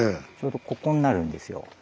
ちょうどここになるんですよ。